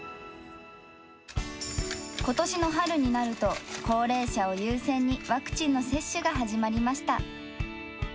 ことしの春になると、高齢者を優先にワクチンの接種が始まりました。